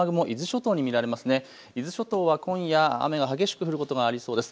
伊豆諸島は今夜雨が激しく降ることがありそうです。